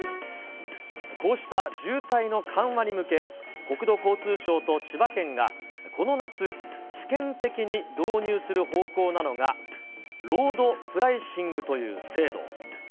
こうした渋滞の緩和に向け、国土交通省と千葉県が、この夏、試験的に導入する方向なのが、ロードプライシングという制度。